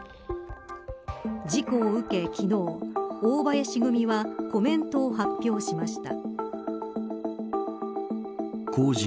事故を受け昨日大林組はコメントを発表しました。